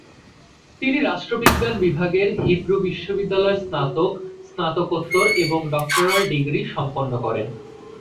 তিনি রাষ্ট্রবিজ্ঞান বিভাগের হিব্রু বিশ্ববিদ্যালয়ে স্নাতক, স্নাতকোত্তর এবং ডক্টরাল ডিগ্রি সম্পন্ন করেন।